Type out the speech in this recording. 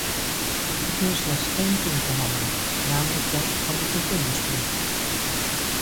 Ik wil slechts één punt behandelen, namelijk dat van de vergunningsplicht.